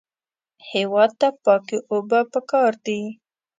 هېواد ته پاکې اوبه پکار دي